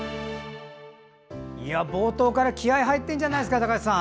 冒頭から気合い入ってるじゃないですか高橋さん。